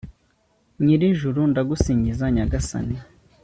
nyir'ijuru, ndagusingiza nyagasani